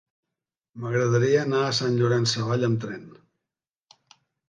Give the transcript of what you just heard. M'agradaria anar a Sant Llorenç Savall amb tren.